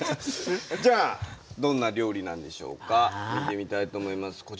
じゃあどんな料理なんでしょうか見てみたいと思います。